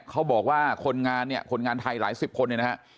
เขาบอกว่าคนงานเนี่ยคนงานไทยหลายสิบคนเนี่ยนะฮะ